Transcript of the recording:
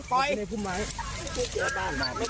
เก็บไหลของเมีย